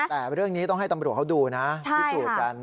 แต่เรื่องนี้ต้องให้ตำรวจเขาดูนะพิสูจน์กัน